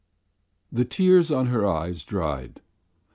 The tears on her eyes dried.